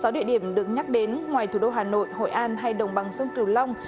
sáu địa điểm được nhắc đến ngoài thủ đô hà nội hội an hay đồng bằng sông cửu long